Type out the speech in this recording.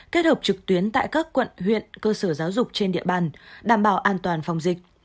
kết hợp trực tuyến tại các quận huyện cơ sở giáo dục trên địa bàn đảm bảo an toàn phòng dịch